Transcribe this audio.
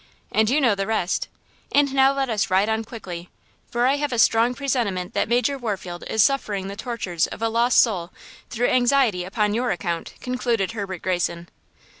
And you know the rest! And now let us ride on quickly, for I have a strong presentiment that Major Warfield is suffering the tortures of a lost soul through anxiety upon your account," concluded Herbert Greyson.